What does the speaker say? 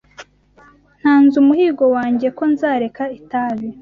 Ntanze umuhigo wanjye ko nzareka itabi.